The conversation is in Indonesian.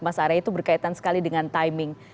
mas arya itu berkaitan sekali dengan timing